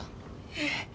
ええ。